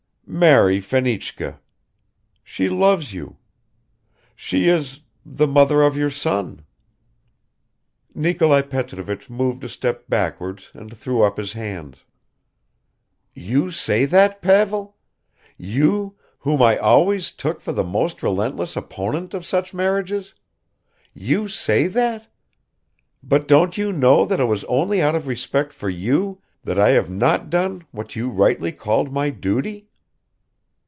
"Marry Fenichka ... she loves you; she is the mother of your son." Nikolai Petrovich moved a step backwards and threw up his hands. "You say that, Pavel? You, whom I always took for the most relentless opponent of such marriages! You say that! But don't you know that it was only out of respect for you that I have not done what you rightly called my duty!"